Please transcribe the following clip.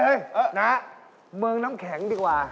น้าเมืองน้ำแข็งดีกว่า